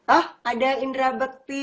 oh ada indra bekti